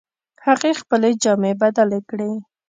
هغې خپلې جامې بدلې کړې